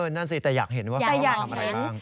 นั่นสิแต่อยากเห็นว่าเขามาทำอะไรบ้าง